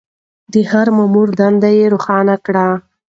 د هر مامور دندې يې روښانه کړې.